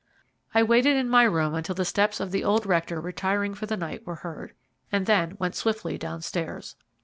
I waited in my room until the steps of the old rector retiring for the night were heard, and then went swiftly downstairs.